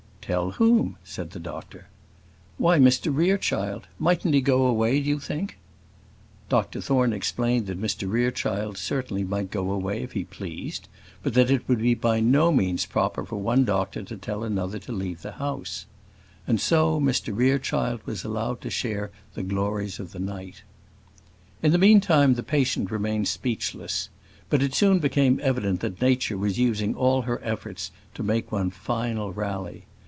"Tell whom?" said the doctor. "Why Mr Rerechild: mightn't he go away, do you think?" Dr Thorne explained that Mr Rerechild certainly might go away if he pleased; but that it would by no means be proper for one doctor to tell another to leave the house. And so Mr Rerechild was allowed to share the glories of the night. In the meantime the patient remained speechless; but it soon became evident that Nature was using all her efforts to make one final rally.